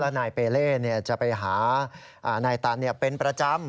แล้วนายเปรรเรย์จะไปหานายตันเป็นประจำ